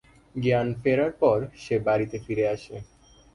জ্ঞান ফেরার পর সে বাড়িতে ফিরে আসে।